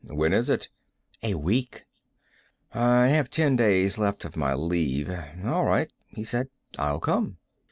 "When is it?" "A week." "I have ten days left of my leave. All right," he said. "I'll come."